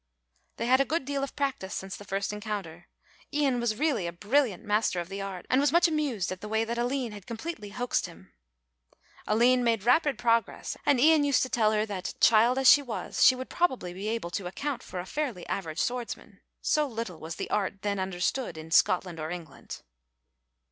They had a good deal of practice since the first encounter. Ian was really a brilliant master of the art and was much amused at the way that Aline had completely hoaxed him. Aline made rapid progress and Ian used to tell her that, child as she was, she would probably be able to account for a fairly average swordsman, so little was the art then understood in Scotland or England.